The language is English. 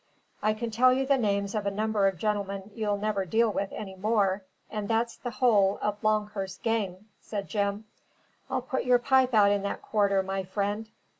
"I can tell you the names of a number of gentlemen you'll never deal with any more, and that's the whole of Longhurst's gang," said Jim. "I'll put your pipe out in that quarter, my friend.